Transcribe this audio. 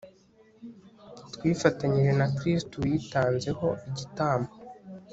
twifatanyije na kristu witanzeho igitambo